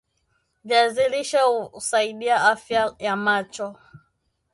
viazi lishe husaidia afya ya macho